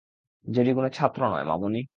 JD কোনো ছাত্র নয়, মামনি।